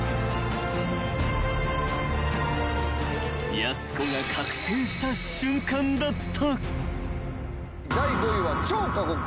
［やす子が覚醒した瞬間だった］